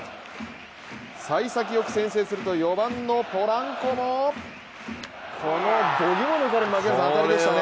さい先よく先制すると４番のポランコもこのどぎもを抜かれる当たりでしたね。